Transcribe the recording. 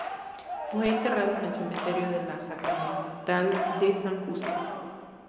Fue enterrado en el cementerio de la Sacramental de San Justo.